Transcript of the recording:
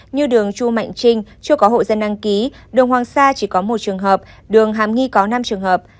như đường chu mạnh trinh chưa có hộ dân đăng ký đường hoàng sa chỉ có một trường hợp đường hàm nghi có năm trường hợp